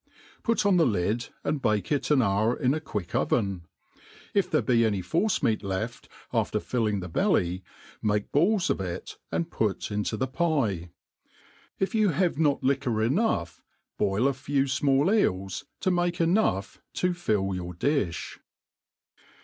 Put on the lid, and bake it an hour in a quick oven. If there be any force meat left after filling the belly, make balls of it, and put into the pie. If you have not liquor Enough, boil a few fmall eels, to make enough to fill your diih.